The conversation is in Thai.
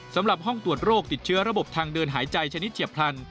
สำหรับห้องตรวจโรคติดเชื้อระบบทางเดินหายใจชนิดเฉียบพลัน